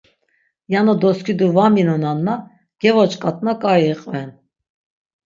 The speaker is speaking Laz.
Yano doskidu va minonanna, gevoç̆k̆atna k̆ai iqven.